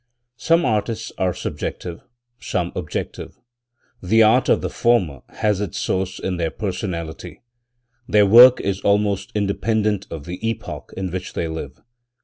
Some artists are subjective, some objective, The art of the former has its source in their personality; their work is almost independent of the epoch in which they live.